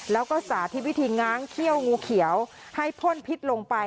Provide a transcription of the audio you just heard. แล้วก็สาธิตวิธีง้างเขี้ยวงูเขียวให้พ่นพิษลงไป